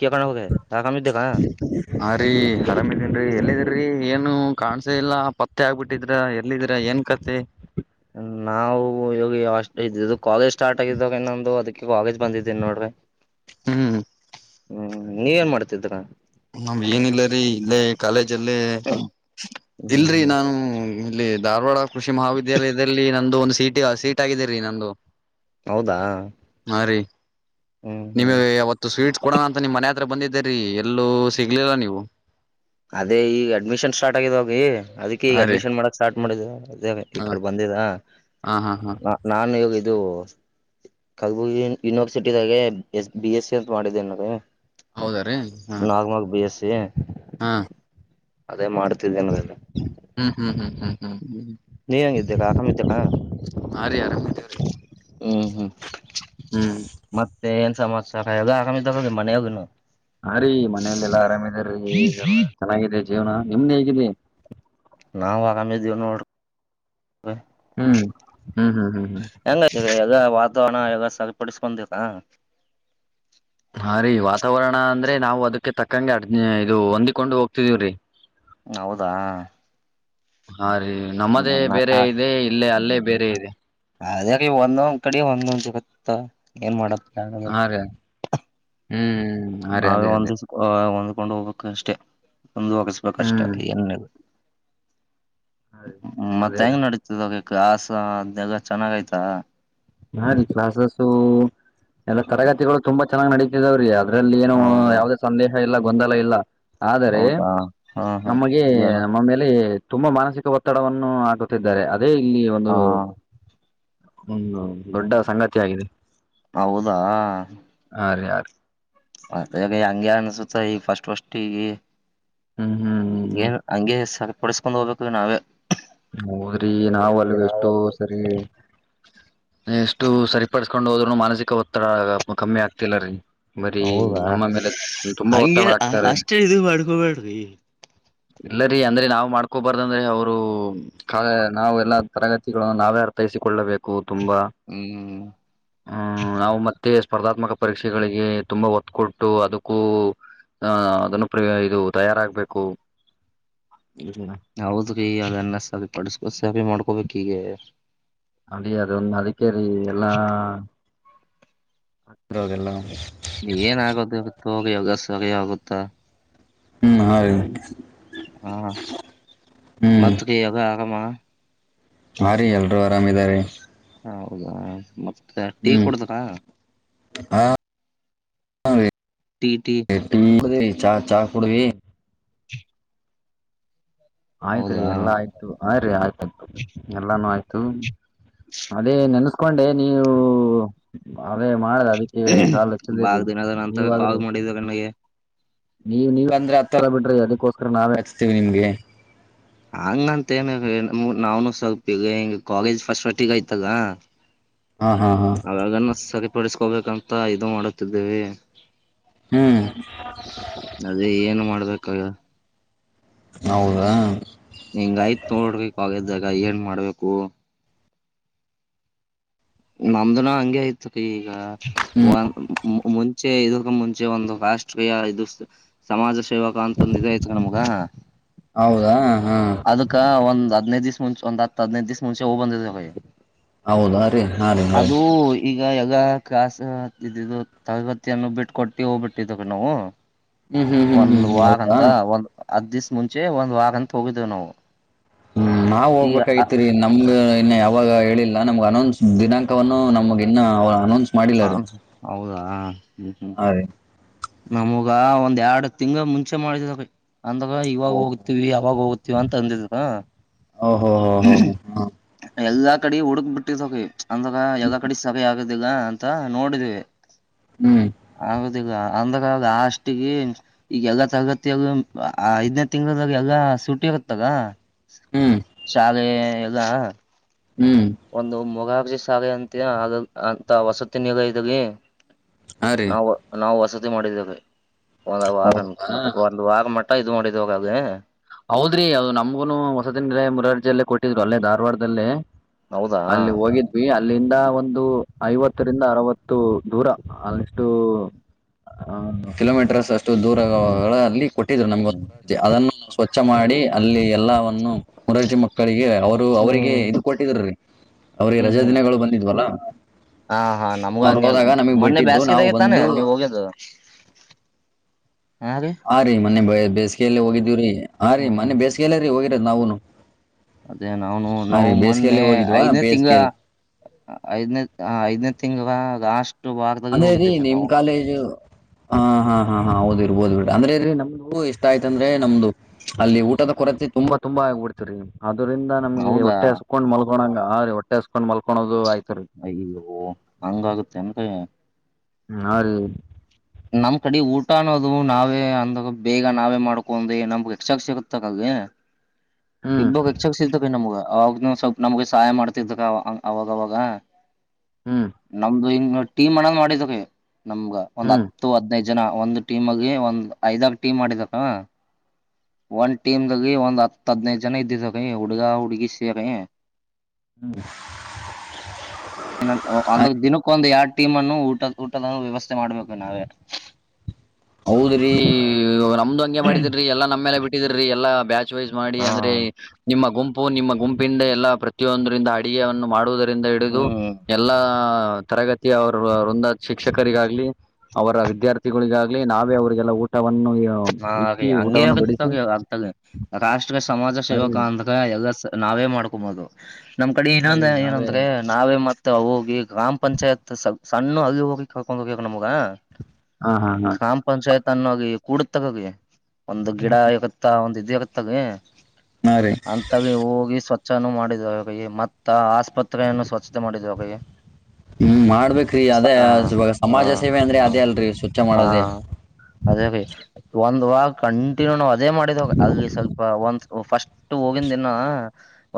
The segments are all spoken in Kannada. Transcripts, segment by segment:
ಕೇಳ್ಕೊಂಡ ಹೋಗ ಯಾಕಮ್ಮಿದ್ದಕ್ಕ ಹ ರೀ ಆರಾಮಿದೀನ್ರಿ ಎಲ್ಲಿದ್ದಿರರಿ ಏನು ಕಾಣಸ ಇಲ್ಲ ಪತ್ತೆ ಆಗ್ಬಿಟ್ಟಿದ್ರ ಎಲ್ಲಿದ್ರ ಏನ್ ಕತೆೆ ನಾವು ಇವ ಇದದು ಕಾಲೇಜ್ ಸ್ಟಾರ್ಟ್ ಆಗಿದ್ದಾಗ ನೊಂದು ಅದಕ್ಕೆ ಕಾಲೇಜ್ ಬಂದಿದ್ದೇನಿ ನೋಡ್ರ [inaudible] ಹ್ಮ್ ಹ್ಮ್ ನೀವೇನ್ ಮಾಡ್ತಿದ್ರ ನಾವ್ ಏನಿಲ್ಲರಿ ಇಲ್ಲೇ ಕಾಲೇಜಲ್ಲಿ ಹ್ಮ್ ಇಲ್ರಿ ಹ್ಮ್ ನಾನು ಇಲ್ಲಿ ಧಾರವಾಡ ಕೃಷಿ ಮಹಾವಿದ್ಯಾಲಯದಲ್ಲಿ ನಂದುದ ಒಂದು ಸೀಟ ಸೀಟ್ ಆಗಿದೆ ರೀ ನಂದುಂದು ಹೌದಾ ಹ್ಮ್ ನಿಮ್ ಹ್ಮ್ ಅವಾವತ್ತು ಸ್ವೀಟ್ಸ್ ಕೊಡೋಣ ಅಂತ ನಿಮ್ ಮನೆ ಹತ್ರ ಬಂದಿದ್ದರಿ ಎಲ್ಲೂ ಸಿಗ್ಲಿಲ್ಲ ನೀವು ಅದೇ ಈ ಅಡ್ಮಿಷನ್ ಸ್ಟಾರ್ಟ್ ಆಗಿದ ಹೋಗಿ ಅದಕ್ಕೆ ಈಗ ಹಾ ರೀ ಅಡ್ಮಿಷನ್ ಮಾಡಕ್ ಸ್ಟಾರ್ಟ್ ಮಾಡಿದ್ದೇ ಈ ಹ ಕಡೆ ಬಂದಿದ ಹಾ ಹಾ ಹಾ ನಾನು ಇಾಗ ಇದು ಕಲಬುಗಿ ಯೂನಿವರ್ಸಿಟದಾಗೆಸ್ ಬಿ ಎಸ್ ಸಿ ಅಂತ ಮಾಡಿದ್ದ ನದು ಹೌದ ರೀ ಹಾ ನಾರ್ಮಲ್ ಬಿ ಎಸ್ ಸಿ ಹಾ ಅದೇ ಮಾಡ್ತಿದ್ದೇನಲ್ಲ ಹ್ಮ್ ಹ್ಮ್ ಹ್ಮ್ ಹ್ಮ್ ಹ್ಮ್ ನೀವು ಹೇಗಿದ್ದೀರಾ ಆರಾಮಿದ್ದೀರಾ ಹಾ ರೀ ಆರಾಮಿದೇವ್ರಿ ಹ್ಮ್ ಹ್ಮ್ ಹ್ಮ್ ಮತ್ತೆ ಏನ್ ಸಮಾ ಆ ಹೋಗ ಮನೆಯ ಹೋಗನು ಹ ರೀ ಮನೇಲ್ಲೆಲ್ಲಾ ಆರಾಮಿದೀ ಚೆನ್ನಾಗಿದೆ ಜೀವನ ನಿಮ್ದ ಹೇಗಿದೆ ನಾವವು ಆಗಾಮ ಇದೀವು ನೋಡ್ ಹ್ಮ್ ಹ್ಮ್ ಹ್ಮ್ ಹ್ಮ್ ಹ್ಮ್ ಹೆಂಗ ಈಗ ಯಗ ವಾತಾವರಣ ಎಲ್ಲ ಸರಿಪಡಿಸಿಕೊಂಡಿರಾ ಹಾ ರೀ ವಾತಾವರಣ ಅಂದ್ರೆ ನಾವು ಅದಕ್ಕೆ ತಕ್ಕಂ ಅಡ್ ಇದು ಹೊಂದಿಕೊಂಡು ಹೋಗ್ತಿದೀವ್ರಿ ಹೌದಾ ಹಾ ರೀ ನಮ್ಮದೇ ಹ್ಮ್ ಬೇರೆ ಇದೆ ಇಲ್ಲೇ ಅಲ್ಲೇ ಬೇರೆ ಇದೆ ಅದ ಒಂದೊಂದ್ ಕಡೆ ಒಂದೊಂದ್ ಜಗತ್ತ ಏನ್ ಮಾಡಪ್ಪ ಹಾ ರೆ ನಾವೇ ಒಂದಿಸ ಹೊಂದ್ಕೊಂಡು ಹೋಗ್ಕ್ ಅಷ್ಟೆ ಮುಂದು ಹೋಗಿಸಬೇಕಷ್ಟ ಹ್ಮ್ ಏನ್ ಹಾ ರೀ ಹ್ಮ ಮತ್ತೆ ಅದೇ ರೀ ಹೆಂಗ ನಡೀತದ ಕಾಸಗ ಚೆನ್ನಾಗಯ್ತ ಹಾ ರೀ ಕ್ಲಾಸು ಎಲ್ಲ ತರಗತಿಗಳು ತುಂಬಾ ಚೆನ್ನಾಗ್ ನಡತಿದಾವ್ರೀ ಅದರಲ್ಲಿ ಏನು ಹೌದಾ ಯಾವುದೇ ಸಂದೇಹ ಇಲ್ಲ ಗೊಂದಲ ಇಲ್ಲ ಆದರೆ ಹೌದಾ ಹಾ ಹಾ ನಮಗೆ ಏನು ನಮ್ಮ ಮೇಲೆ ತುಂಬಾ ಮಾನಸಿಕ ಒತ್ತಡವನ್ನು ಹಾಕುತ್ತಿದ್ದಾರೆ ಅದೇ ಇಲ್ಲಿ ಹಾ ಒಂದು್ಮ ದೊಡ್ಡ ಸಂಗತಿ ಆಗಿದೆ ಹೌದಾ ಯಾರ ಯಾರು ಮ ಈಗ ಹಂಗಗೆ ಅನ್ಸುತ್ತ ಈ ಫಸ್ಟ್ ಫಸ್ಟ್ ಈಗ ಹ್ಮ್ ಹ್ಮ್ ಹ್ಮ್ ಹ್ಮ್ ಏನ್ ಹಂಗೆ ಸರಿಪಡಸ್ಕೊಂಡ್ ಹೋಗ್ಬೇಕುದು ನಾವೇ ಹೌದ್ರಿ ನಾವ ಅಲ್ ನಾವು ಎಷ್ಟೋ ಸರಿ ಎಷ್ಟು ಸರಿಪಡಸ್ಕೊಂಡು ಹೋದ್ನು ಮಾನಸಿಕ ಒತ್ತಡ ಕಮ್ಮಿ ಆಗ್ತಿಲ್ಲರೀ ಬರೀ ಹೌದಾ ನಮ್ಮ ಮೇಲೆ ತುಂಬಾ ಹಂಗೆ ಒತ್ತಡ ಆಕ್ತಾರೆ ಅಷ್ಟೇ ಇದು ಮಾಡ್ಕೊಬೇಡ್ರಿ ಇಲ್ಲರಿ ಅಂದ್ರೆ ನಾ್ ಮಾಡ್ಕೋಬಾರ್ದ ಅಂದ್ರೆ ಅವರು ಕ ನಾವು ಎಲ್ಲಾ ತರಗತಿಗಳನ್ನು ನಾವೇ ಅರ್ಥೈಸಿಕೊಳ್ಳಬೇಕು ತುಂಬಾ ಹ್ಮ್ ಹ್ಮ್ ನಾವು ಮತ್ತ ಮತ್ತೆ ಸ್ಪರ್ಧಾತ್ಮಕ ಪರೀಕ್ಷೆಗಳಿಗೆ ತುಂಬಾ ಒತ್ತು ಕೊಟ್ಟು ಅದಕ್ಕೂ ಹ ಅದನ್ನು ಪ್ರ ಇದು ತಯಾರಾಗ್ಬೇಕು ಹೌದ್ರೀ ಅದನ್ನ ಸ ಪಡಸ್ಕೊ ಸೇಪಿ ಮಾಡ್ಕೋಬೇಕ ಈಗೆ ಅಡಿಯದೊಂದು ಅದಕ್ಕೆೇರಿ ಎಲ್ಲಾ ಹತಿರ ಅದೆಲ್ಲಾ ಏನ ಆಗೋದ ಇವತ್ತು ಸರಿ ಆಗುತ್ತಾ ಹ್ಮ್ ಹಾಗ [unintelligible] ಹಾ ಹ್ಮ್ ಮತ್ತಗ್ ಯಾಗ ಆರಾಮ. ಹಾ ರೀ ಎಲ್ರುೂ ಆರಾಮಿದಾರಿ. ಹೌದಾ ಮತ್ತೆ ಟೀ ಹ್ಮ್ ಕುಡುದ್ರಾ. ಹಾರೀ [unintelligible] ಚಾ ಚಾ ಕುಡವಿ. ಆಯ್ತ್ರಿ ಹೌದಾ ಎಲ್ಲಾ ಆಯ್ತು ಆರೀ ಆಯ್ತಾಯ್ತು ಎಲ್ಲಾನು ಆಯ್ತು. ಅದೇ ನೆನ್ಸ್ಕೊಂಡೆ ನೀವು. ಅದೇ ಮಾಡದೆ ಅದಕ್ಕೆ ಕಾಲ್ ಹಚ್ಚಿದಿರಿ ಬಾಳ್ ದಿನದ ನಂತರ ನೀವಾದ್ರೂ. ಕಾಲ್ ಮಾಡಿದ್ರ ನನಗೆ ನೀವ್ ನೀವ್ ಅಂದ್ರೆ ಹತ್ತರ ಬಿಡ್ರಿ ಅದಕ್ಕೋಸ್ಕರ ನಾವೇ ಹಚ್ತೀವಿ ನಿಮ್ಗೆ. ಹಂಗ ಅಂತ ಏನ ಇ ಮು ನಾವುನು ಸ್ವಲ್ಪ ಈಗ ಹಿಂಗ ಕಾಲೇಜ್ ಫಸ್ಟ್ ಹೊಟ್ಟಿಗೌತಲ್ಲ. ಹಾ ಹಾ ಹಾ ಅವಾಗನ್ನ ಸರಿಪಡಿಸಕೋಬೇಕಂತ ಇದು ಮಾಡುತ್ತಿದ್ದೇವೆ. ಹ್ಮ್ ಅದೇ ಏನು ಮಾಡ್ಬೇಕ ಎನೋ. ಹೌದಾ ಹಿಂಗ ಆಯ್ತ್ ನೋಡ್ರಿ ಕಾಲೇಜ್ದಾಗ ಏನ್ ಮಾಡ್ಬೇಕು. ನಮ್ದನ ನಾವ್ ಹಂಗೆ ಆಯ್ತ ರೀ ಈಗ ಒಂದ್ ಮು [unintelligible] ಚೆ ಇದಕ್ಕೂ ಮುಂಚೆ ಒಂದು ರಾಷ್ಟ್ರೀಯ ಇದು ಸಮಾಜ ಸೇ ವಕ ಅಂತ ಒಂದು ಇದು ಆಯ್ತ ನಮ್ಗ. ಹೌದಾ ಹಾ ಅದಕ್ಕ ಒಂದ್ ಹದಿನೈದ್ ದಿಸ ಮುಂಚೆ ಒಂದ್ ಹತ್ ಹದ್ನನೈದ್ ದಿವ್ಸ ಮುಂಚೆ ಹೋಗ್ ಬಂದೀವಿ. ಹೌದಾ ರೀ ಹಾ ರೀ ಹಾ ರೀ ಅದು ಈಗ ಯಾಗ. ಕಾಸು ಇದು ಇದು ತರಗತಿಯನ್ನು ಬಿಟ್ಟ ಕೊಟ್ಟಿ ಹೋಗ್ಬಿಟ್ಟಿದೇವು ನಾವು. ಹ್ಮ್ ಹ್ಮ್ ಹ್ಮ್ ಒಂದ್ ಹ್ಮ್ ವಾರಂತ ಹೌದಾ ಒಂದ್ ಹತ್ ದಿವ್ಸ ಮುಂಚೆ ಒಂದ್ ವಾರ್ ಅಂತ ಹೋಗಿದ್ದೇವು ನಾವು. ಹ್ಮ್ ನಾವ್ ಈ ಹೋಗ್ಬೇಕಾಗಿತಿರಿ ನಮ್ಗ ಇನ್ನ ಯಾವಾಗ ಹೇಳಿಲ್ಲಾ ನಮ್ಗ್ ಅನೌನ್ಸ್. ದಿನಾಂಕವನ್ನು ನಮಗ ಇನ್ನ ಅನೌನ್ಸ. ಹ ಹೌದಾ ಹ್ಮ ಹ್ಮ್. ಹಾ ರೀ ನಮಗ ಒಂದ್ ಎರಡ್ ತಿಂಗಳ ಮುಂಚೆ ಮಾಡಿದ ಅಂದಾಗ ಇವಾಗ ಹೋಗತಿವಿ ಅವಾಗ ಹೋಗತಿವಿ ಅಂತ ಅಂದಿದರು. ಒಹೋ ಹೋ ಹ ಹ ಹ ಕಡೆ ಹುಡುಕ್ ಬಿಟ್ಟಿದೋಗಿ ಅಂದಾರ ಯಲ್ಲ ಕಡಿ ಸಭೆ ಆಗದೀಲ್ಲ ಅಂತ ನೋಡಿದಿವಿ. ಹ್ಮ್ ಅಂದಾಗ ಅಷ್ಟಿಗೆ ಈಗ ಎಲ್ಲ ತರಗತಿಯಲ್ಲು ಐದನೇ ತಿಂಗಳದಾಗ ಎಲ್ಲ ಸೂಟಿ [unintelligible] ಗತ್ತದ ಹ್ಮ್ ಶಾಲೆ ಎಲ್ಲ. ಹ್ಮ್ ಒಂದು ಮುರಾರ್ಜಿ ಶಾಲೆ ಅಂತ್ಯ ಅಂತ ವಸತಿ ನಿಲಯದಲ್ಲಿ. ಹಾ ರೀ ನಾವು ನಾವು ವಸತಿ ಮಾಡಿದ್ದೇವೆ ಒಂದು ವಾರನ್ ಹೌದಾ ಒಂದ್ ವಾರ ಮ ಇದು ಮಾಡಿದು ಅದೇ. ಹೌದ್ರಿ ಅದು ನಮಗೂನು ಹೊಸದಿನಲೆ ಮುರಾರ್ಜಿಯಲ್ಲೇ ಕೊಟ್ಟಿದ್ರು ಅಲ್ಲೇ ಧಾರವಾಡದಲ್ಲೇ. ಹೌದಾ ಅಲ್ಲಿ ಹೋಗಿದ್ವಿ ಅಲ್ಲಿಂದ ಒಂದು ಐವತ್ತರಿಂದ ಅರವತ್ತು ದೂರ ಅಷ್ಟು. ಹ ಕಿಲೋಮೀಟರ್ ಅಷ್ಟ್ [unintelligible] ಷ್ಟು ದೂರ ಹ್ಮ್ ಅಲ್ಲಿ ಕೊಟ್ಟಿದ್ರು ನಮಗೆ ಒಂದು ಮುರಾರ್ಜಿ ಅದನ್ನು ಸ್ವಚ್ಛ ಮಾಡಿ ಅಲ್ಲಿ ಎಲ್ಲವನ್ನು. ಮುರಾರ್ಜಿ ಮಕ್ಕಳಿಗೆ ಅವರು ಅವರಿಗೆ ಹ್ಮ್ ಇದು ಕೊಟ್ಟಿದ್ರರಿ ಅವ್ರಿಗೆ ಹ್ಮ್ ರಜಾ ಹ್ಮ್ ದಿನಗಳು ಬಂದಿದ್ವಲ್ಲ. ಹಾ ಹಾ ನಮ್ಗ ಅವ್ರು ಹಂಗೆ ಹೋದಾಗ ನಮಗ್ ಮೊನ್ನೆ ಬಿಟ್ಟಿದ್ರು ನಾವು ಬೇಸ್ಕೇದಾಗೆ ತಾನೆ ಬಂದು ನೀವ್ ಹೋಗ್ಯದು. [inaudible] ಹ ರೀ ಮೊನ್ನೆ ಬೇಸಿಗೆಯಲ್ಲಿ ಹೋಗಿದ್ದೀವ್ರೀ ಆ ರೀ ಹ್ಮ್ ಮನೆ ಬೇಸಿಗೆಯಲ್ಲ ರೀ ಹೋಗಿರೋದ್ ನಾವುನು. ಅದೇ ನಾವುನು ಹಾ ನಾವು ರೀ ಮೊನ್ನೆ ಬೇಸಿಗೆಯಲ್ಲಿ ಹೋಗಿದ್ವಾ ಐದನೇ ತಿಂಗ ಬೇಸಿಗೆಯಲ್ಲಿ ಐದನೇ ಆ ಐದನೇ ತಿಂಗ್ ಲಾಷ್ಟ್ ಹಂಗಾಗಿ ನಿಮ್ ಕಾಲೇಜು. ಹ ಹಾ ಹಾ ಹೌದ ಇರ್ಬೋದು ಬಿಡ ಅಂದ್ರೆ ಇದ್ರೆ ನಮಗು ಇಷ್ಟ ಆಯ್ತು ಅಂದ್ರೆ ನಮ್ದು ಅಲ್ಲಿ ಊಟದ ಕೊರತೆ ತುಂಬಾ. ತುಂಬಾ ಆಗ್ ಬಿಡ್ತತಿರಿ ಅದ್ರಂದ ನಮ್ಗೆ ಹೌದಾ ಹೊಟ್ಟೆ ಹಸ್ಕೊಂಡ್ ಮಲ್ಕೋಂಗ ಹಾರೀ ಹೊಟ್ಟೆ ಹಸ್ಕೊಂಡು ಮಲ್ಕೋಳೋದು ಆಯ್ತು. ರೀ ಅಯ್ಯೋ ಹಂಗ ಆಗುತ್ತೆನ್ರೀ. ಹಾ ರೀ ನಮ್ ಕಡೆ ಊಟ ಅನ್ನೋದು ನಾವೇ ಅಂದ ಬೇಗ ನಾವೇ ಮಾಡ್ಕೊಂಡೆ ನಮ್ಗೆ ಎಕ್ಸ್ಟ್ರಾ ಸಿಗತ್ತದ. [inaudible] ಹ್ಮ್ ಇಬ್ಬರಿಗೆ ಎಕ್ಸ್ಟ್ರಾ ಸಿಗ್ತೈತಿ ನಮ್ಗ. ಅವಾಗ ಸ್ವಲ್ಪ ನಮ್ಗೆ ಸಹಾಯ ಮಾಡ್ತಿದ್ದಕ್ಕ ಅವಾಗವಾಗ ಹ್ಮ್ ನಮ್ದು ಇನ್ ಟೀಮ್ ಹಣ್ ಮಾಡಿದಾವೆ ನಮ್ಗ ಒಂದ್ ಹ್ಮ್ ಹತ್ತು ಹದ್ನೈದು ಜನ ಒಂದ್ ಟೀಮ್ ಆಗ ಒಂದ್ ಐದಾರ್ ಟೀಮ್ [unintelligible] ಒಂದ್ ಟೀಮ್ದಾಗ ಒಂದ್ ಹತ್ ಹದ್ನೈದ್ ಜನ ಇದ್ದಿದಾವ ಹುಡುಗ ಹುಡ್ಗಿ ಸೇರಿ ಅಂದ್ರ ದಿನಕ್ಕ ಒಂದು ಯಾಡ್ ಟೀಮ್ ಅನ್ನು ಊಟದ ಊಟದ ವ್ಯವಸ್ಥೆ ಮಾಡ್ಬೇಕು ನಾವೇ. ಹೌದ್ರಿ ನಮ್ದು ಹಂಗೆ ಮಾಡಿದಿರಿ ಎಲ್ಲ ನಮ್ಯಾಲೆ ಬಿಟ್ಟಿದ್ರಿ ಎಲ್ಲಾ ಬ್ಯಾ ಮಾಡಿ ಹಾ ಅಂದ್ರೆ ನಿಮ್ಮ ಗುಂಪು ನಿಮ್ಮ ಗುಂಪಿಂದ ಎಲ್ಲಾ ಪ್ರತಿಯೊಂದರಿಂದ ಅಡುಗೆನ್ನು ಮಾಡುವುದ ದಿಂದ ಹಿಡಿದು ಹ್ಮ್ ಎಲ್ಲ ತರಗತಿಯ ಅವರುಂದ ಶಿಕ್ಷಕರಿಗಾಗ್ಲಿ ಅವರ ವಿದ್ಯಾರ್ಥಿಗುಳಿಗಾಗ್ ಲ್ಲಿ ನಾವೇ ಅವರಿಗೆಲ್ಲ ಊಟವನ್ನು ಹಾ ರೀ ಇಕ್ಕಿ ಹಂಗೆ ಊಟವನ್ನು ಬಡಿಸಿ [unintelligible] ರಾಷ್ಟ್ರ ಸಮಾಜ ಹಾ ರೀ ಸೇವಕ ಅಂದ್ರೆ ಎಲ್ಲ ನಾವೇ ಮಾಡ್ಕೊಬಹುದು ನಮ್ ಕಡೆ ಹಾ ರೀ ಇನ್ನೊಂದ ನಾವೇ ಏನಂದ್ರೆ ನಾವೇ ಮಾ ಹೋಗಿ ಗ್ರಾಮ ಪಂಚಾಯತ್ ಸಣ್ಣ ಹಗಿ ಹೋಗಿ ಕರ್ಕೊಂಡ ಹೋಗಕ್ ನಮಗ. ಹಾ ಹಾ ಹಾ ಗ್ರಾಮ ಪಂಚಾಯತ್ ಅನ್ನೋಗಿ ಕೂಡ ತಗೋಗಿ ಒಂದು ಗಿಡ ಇಗತ್ತ ಒಂದ [unintelligible] ಹಾ ರೀ ಅಂತಾಗ ಹೋಗಿ ಸ್ವ ಸ್ವಚ್ಛಾನ ಮಾಡಿದ ಮತ್ತ ಆಸ್ಪತ್ರೆಯನ್ನು ಸ್ವಚ್ಛತೆ ಮಾಡಿದೇವ್ರೀ ಹ್ಮ್ ಮಾಡ್ಬೇಕ್ರೀ ಅದೇ ಇವಾಗ ಹಾ ಸಮಾಜ ಸೇವೆ ಅಂದ್ರೆ ಹಾ ಅದೇ ಅಲ್ರೀ ಸ್ವಚ್ಛ ಹಾ ಮಾಡೋದೆೇ ಅದೇ ರೀ ಒಂದ್ ವಾರ್ ಕಂಟಿನ್ಯೂ ನಾವ್ ಅದೇ ಮಾಡಿದ್ವ ಅಲ್ಲಿ ಸ್ವಲ್ಪ ಒಂದ ಫಸ್ಟ್ ಹೋಗಿಂದಿನ್ನು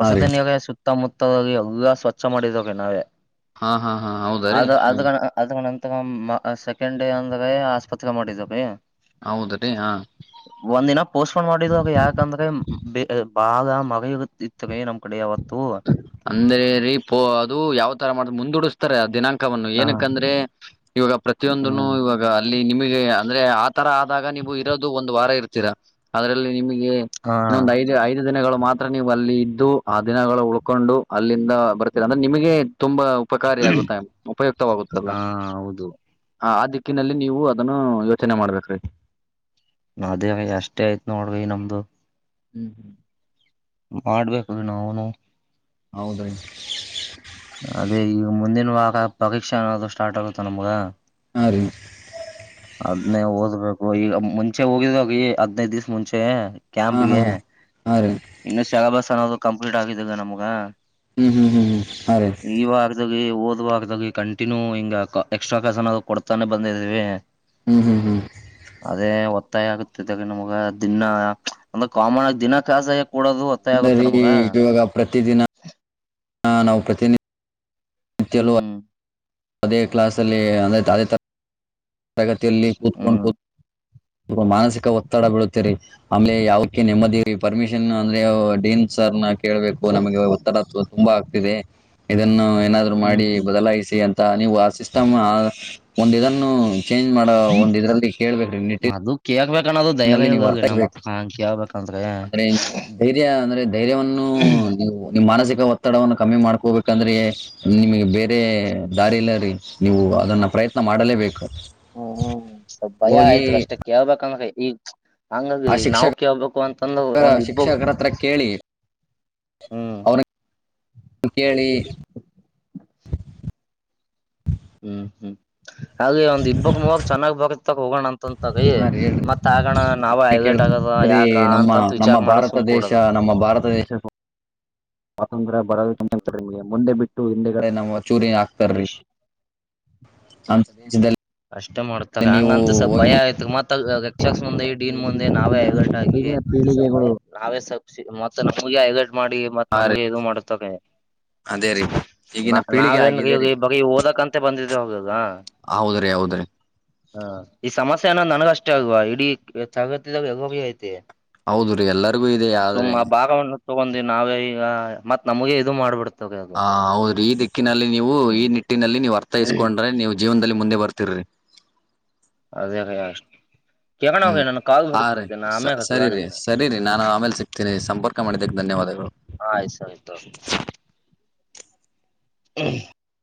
ಹಾ ರೀ ನಿಲಯ ಸುತ್ತಮುತ್ತ ಹೋಗಿ ಎಲ್ಲಾ ಸ್ವಚ್ಛ ಮಾಡಿದೇವ್ರಿ ನಾವೇ. ಹಾ ಹಾ ಹಾ ಹೌದ ರೀ ಅದ ಅದ ಗಣ ಅದಗಣ ಸೆಕೆಂಡ್ ಡೇ ಅಂದ್ರೀ ಆಸ್ಪತ್ರೆಗೆ ಮಾಡಿದೀವ್ರೀ ಹೌದ್ರೀ ಹಾ ಒಂದಿನ ಪೋಸ್ಟ್ಪೋನ್ ಮಾಡಿದ್ವು ಅದು ಯಾಕಂದ್ರೆ [unintelligible] ಅಂದ್ರೆ ರೀ ಪೋ ಅದು ಯಾವ್ತರ ಮಾಡ್ದ ಮುಂದೂಡಸ್ತಾರೆ ದಿನಾಂಕ್ ಕವನ್ನು ಏನಕ್ಕಂದ್ರೆ ಇವಾಗ ಪ್ರತಿಯೊಂದನು ಹ್ಮ್ ಇವಾಗ ಅಲ್ಲಿ ನಿಮಗೆ ಅಂದ್ರೆ ಆ ತರ ಆದಾಗ ನೀವು ಇರೋದು ಒಂದು ವಾರ ಇರ್ತೀರಾ ಅದ್ರಲ್ಲಿ ನಿಮಗೆ ಹಾ ಇನ್ನೊಂದು ಐದು ಐದು ದಿನಗಳು ಮಾತ್ರ ನೀವು ಅಲ್ಲಿ ಇದ್ದು ಆ ದಿನಗಳು ಉಳ್ಕೊಂಡು ಅಲ್ಲಿಂದ ಬರ್ತೀರ ಅಂದ್ರೆ ನಿಮಗೆ ತುಂಬಾ ಉಪಕಾರಿಯಾಗುತ್ತೆ ಉಪಯುಕ್ತವಾಗುತ್ತಲ್ಲ ಹಾ ಹೌದು ಹಾ ಅದಿ ಕ್ಕಿನಲ್ಲಿ ನೀವು ಅದನ್ನು ಯೋಚನೆ ಮಾಡ್ಬೇಕ್ರೀ. ಅದೇ ಅಷ್ಟೇ ಆಯ್ತ್ ನೋಡ್ರಿ ನಮ್ದು. ಹ್ಮ್ ಹ್ಮ್ ಮಾಡ್ಬೇಕ್ರೀ ನಾವೂನು ಹೌದ್ರೀ ಅದೇ ಈಗ ಮುಂದಿನ ವಾರ ಪರೀಕ್ಷೆ ಅನ್ನೋದು ಸ್ಟಾರ್ಟ್ ಆಗುತ್ತ ನಮ್ಗ. ಹಾ ರೀ ಅದ್ನೇ ಓದ್ ಕೊಬೇಕು ಈಗ ಮುಂಚೆ ಹೋಗಿದ್ವಲ್ರೀ ಈ ಹದ್ನೈದ್ ದಿವ್ಸ ಮುಂಚೆ ಹಾ ಹಾ ಕ್ಯಾಂಪ್ಗೆ ಹಾ ರೀ ಇನ್ನು ಸೆಲಬಸ್ ಅನ್ನೋದು ಕಂಪ್ಲೀಟ್ ಆಗಿದ್ದಿಲ್ ನಮ್ಗ ಹ್ಮ್ ಹ್ಮ್ ಹ್ಮ ಹ್ಮ ಈ ವಾರ್ದಾಗ ಓದ್ ಕಂಟಿನ್ಯೂ ಹಿಂಗ ಎಕ್ಸ್ಟ್ರಾ ಕ್ಲಾಸ್ ಅನ್ನದು ಕೊಡ್ತಾನೆ ಬಂದಿದಿವಿ. ಹ್ಮ್ ಹ್ಮ್ ಹ್ಮ್ ಅದೇ ಒತ್ತಾಯ ಆಗುತ್ತಿದೀಗ ನಮ್ಗ ದಿನ್ನಾ ಒಂದ ಕಾಮನ್ ಆಗಿ ದಿನ ಕ್ಲಾಸ ಅಂದ್ರೀ ಇವಾಗ ಪ್ರತಿ ದಿನ ಹಾ ನಾವು ಪ್ರತಿನಿಧಿ ನಿತ್ಯಲೂ ಹ್ಮ್ ಅದೇ ಕ್ಲಾಾಸ ಅಲ್ಲಿ ಅಂದ್ರೆ ತದೇ ತ [inaudible] ತಗತಿಯಲ್ಲಿ ಕೂತ್ಕೊಂಡು ಹ್ಮ್ ಕೂತ್ ಮಾನಸಿಕ ಒತ್ತಡ ಬಿೀಳುತ್ತೇರಿ ಆಮಲೆ ಯಾವಕ್ಕೆ ನೆಮ್ಮದಿ ಪರ್ಮಿಷನ್ ಅಂದ್ರೆ ಡನ್ ಕೇಳಬೇಕು ನಮಗೆ ಒತ್ತರತ್ವ ತುಂಬಾ ಆಗ್ತಿದೆ ಇದನ್ನು ಏನಾದ್ರು ಮಾಡಿ ಹ್ಮ್ ಬದಲಾಯಿಸಿ ಅಂತ ನೀವು ಆ ಸಿಸ್ಟಮ್ ಆ ಒಂದು ಇದನ್ನು ಚೇಂಜ್ ಮಾಡೋ ಒಂದ ಇದ್ರಲ್ಲಿ ಕೇಬೇಕು ನಿಟ್ಟ ಅದು ಕೇಳ್ಬೇಕ ಅನ್ನೋದು ದಯವ ಲ್ಲಿ ನೀವು್ ಇಲ್ದಲ್ರಿ ನಮ್ ವರ್ತಿಸಬೇಕು ಮತ್ ಹಂಗ ಕೇಳ್ಬೇಕಂದ್ರೆ ಅಂದ್ರೆ ಧೈರ್ಯ ಅಂದ್ರೆ ಧೈರ್ಯವನ್ನು ನೀವು ನಿಮ್ಮ್ ಮಾನಸಿಕ ಗ ಒತ್ತಡವನ್ನು ಕಮ್ಮಿ ಮಾಡ್ಕೋಬೇಕಂದ್ರೆ ನಿಮಗೆ ಬೇರೆ ದಾರಿಲ್ಲ ರೀ ನೀವು ಅದನ್ನ ಪ್ರಯತ್ನ ಮಾಡಲೇಬೇಕು ಹ್ಮ್ ಹ್ಮ್ ಸ್ ಭಯ ಹೋಗಿ ಆಯ್ತು ಕಷ್ಟ ಕೇಳ್ಬೇಕಂದ ಈಗ ಹಂಗಾಗಿ ಆ ನಾವು ಶಿಕ್ಷಕ ಕೇಳ್ಬೇಕು ಅಂತಂದ ಒಂದ್ ಇಬ್ಬ ಹ್ಮ್ ಅವನ ಕೇಳಿ ಹ್ಮ್ ಹ್ಮ್ ಹಾಗೆ ಒಂದ್ ಇಬ್ಬಕ್ ಮೂವಕ್ ಚೆನ್ನಾಗ್ ಬಕ್ತಕ್ ಹೋಗೋಣ ಅಂತ ಮ ತಗೈಿ ಹಾ ರೀ ಹೇಳ್ರಿ ಮತ್ ಆಗಣ ನಾವ ಏ ಐೈಟ್ ಕೇಳ್ರಿ ಆಗದ ರೀ, ಯಾಕ ನಮ್ಮ ಅಂತಂತ ನಮ್ಮ ವಿಚಾಕ್ ಮಾಡ ಭಾರತ ಸುಂಕ ದೇಶ ಕೊಡದ ನಮ್ಮ ಭಾರತ ದೇಶ ಸ್ವಾತಂತ್ರ್ಯ ಬರದ ಮುಂದೆ ಬಿಟ್ಟು ಹಿಂದೆಗಡೆ ನಮ್ಮ ಚೂರಿ ಹಾಕ್ತಾರಿ ವಿಷ್ ಅಂತ ದೇಶದಲ್ಲಿ ಅಷ್ಟೇ ಮಾಡತಾಗ ನೀವು ಹಂಗಂತ ಸ್ವಪ ಭಯ ಹೋಗಿ ಆಯ್ತಕ್ ಮತ್ತತ್ ಯಕ್ಷಕ್ಸ್ ಮುಂದೆ ಡೀನ್ ವಿದ್ಯಾರ್ಥಿಗಳು ಈಗ ಮುಂದೆ ನಾವೇ ಈಗಿನ ಐಗಟ ಆಗಿ ಈಗಿನ ಪೀಳಿಗೆಗಳು ನಾವೇ ಮತ್ತತ್ ನಮಗೆ ಹೈಲರ್ಟ್ ಮಾಡಿ ಮತ್ ಆ ನಮಗೆ ಇದು ಮಾಡತ್ತಕ ಅದೇ ರೀ ನ ಈಗಿನ ಪೀಳಿಗೆ ನಾವೇನ್ ಆಗಿದೆ ರೀ ಈ ಬ ಓದಕಂತೆ ಬಂದಿದ್ದೆ ಹೋಗಾಗ ಹೌದ್ರಿ ಹೌದ್ರಿ ಹಾ ಈ ಸಮಸ್ಯೆ ಅನ್ನೋ್ ನನಗಷ್ಟೇ ಆಗುವ ಇಡೀ ತಗತಿದಾಗ ಯಗೋಬಿ ಐತಿ ಹೌದು ರೀ ಎಲ್ಲರಿಗೂ ಇದೆ ಯ್ರೆ ತಗೊಂಡೀವಿ ನಾವೇ ಈಗ ಮತ್ ನಮಗೆ ಇದು ಮಾಡ್ಬಿಡ್ತವಿ ಹ ಹೌದ್ರಿ ಈ ದಿಕ್ಕಿನಲ್ಲಿ ನೀವು ಈ ಹ್ಮ್ ನಿಟ್ಟಿನಲ್ಲಿ ನೀವು್ ಅರ್ಥೈಸ್ಕೊಂಡ್ರೆ ನೀವು್ ಜೀವನದಲ್ಲಿ ಮುಂದೆ ಬರ್ತಿರಿ ಅದೇ ಭಷ್ಟ ಹ್ಮ್ ಹ ರೀ ಸ ಸರಿ ಹಚ್ಚಲಾ ರರಿ ನಿಮ್ಗ ಸರಿ ರರಿ ನಾನು ಆಮೇಲೆ ಸಿಕ್ತೀನಿ ಸಂಪರ್ಕ ಮಾಡಿದಕ್ಕೆ ಧನ್ಯವಾದಗಳು ಆಯ್ತಯ್ತು